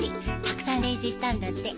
たくさん練習したんだって。